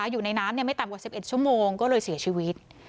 อยู่ในน้ำไม่ต่ำกว่า๑๑ชั่วโมงก็เลยเสียชีวิต